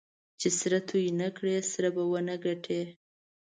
چې سره توی نه کړې؛ سره به و نه ګټې.